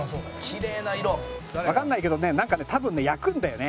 「きれいな色」わかんないけどねなんかね多分ね焼くんだよね